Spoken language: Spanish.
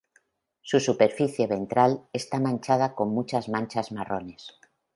Su superficie ventral está manchada con muchas manchas marrones.